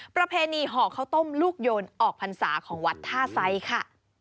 ประเพณีห่อข้าวต้มลูกโยนออกพรรษาของวัดท่าไซค่ะ